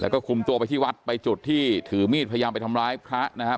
แล้วก็คุมตัวไปที่วัดไปจุดที่ถือมีดพยายามไปทำร้ายพระนะครับ